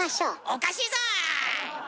おかしいぞ！